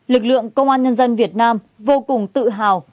lực lượng công an nhân dân việt nam vô cùng tự hào